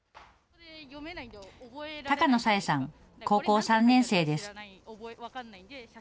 高野紗英さん、高校３年生です。